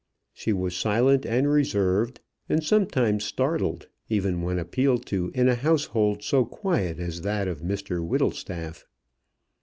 She was silent and reserved, and sometimes startled, even when appealed to in a household so quiet as that of Mr Whittlestaff.